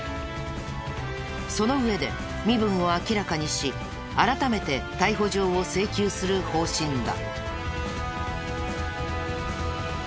その上で身分を明らかにし改めて逮捕状を請求する方針だ。